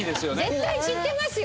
絶対知ってますよ！